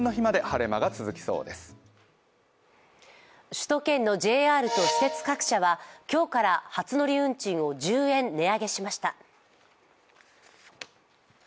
首都圏のＪＲと私鉄各社は今日から初乗り運賃を１０円値上げしました。